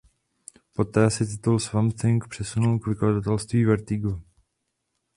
Poté se titul Swamp Thing přesunul k vydavatelství Vertigo.